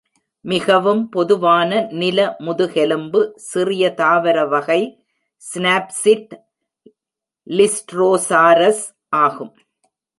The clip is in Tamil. மிகவும் பொதுவான நில முதுகெலும்பு சிறிய தாவரவகை சினாப்சிட் "லிஸ்ட்ரோசாரஸ்" ஆகும்.